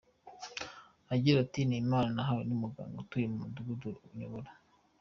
Agira ati “ Ni impano nahawe n’umuganga utuye mu mudugudu nyobora.